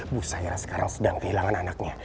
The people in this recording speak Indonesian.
busairah sekarang sedang kehilangan anaknya